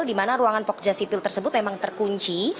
di mana ruangan pogja sipil tersebut memang terkunci